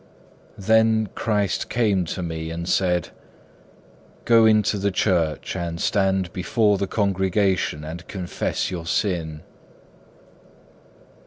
Then Christ came to me and said, "Go into the church and stand before the congregation And confess your sin."